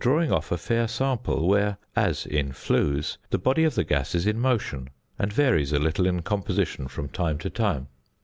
The only difficulty is in drawing off a fair sample where, as in flues, the body of the gas is in motion, and varies a little in composition from time to time.